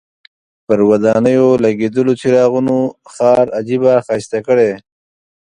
پر ودانیو لګېدلو څراغونو ښار عجیبه ښایسته کړی.